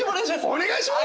お願いします！